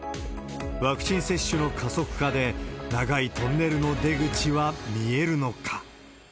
ワクチン接種の加速化で、長いトンネルの出口は見えるのか。